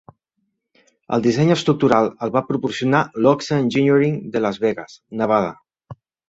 El disseny estructural el va proporcionar Lochsa Engineering de Las Vegas, Nevada.